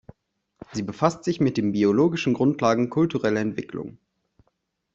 Sie befasst sich mit den biologischen Grundlagen kultureller Entwicklungen.